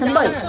ba tháng bảy